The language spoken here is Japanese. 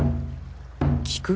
菊？